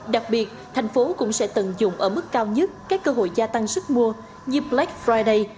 đặc biệt thành phố cũng sẽ tận dụng ở mức cao nhất các cơ hội gia tăng sức mua như black friday